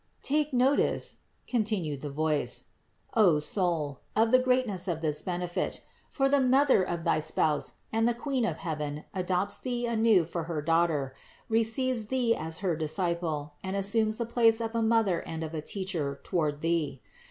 22. "Take notice" (continued the voice) "O soul of the greatness of this benefit; for the Mother of thy Spouse and the Queen of heaven adopts thee anew for her daughter, receives thee as her disciple, and assumes the place of a Mother and of a Teacher toward thee.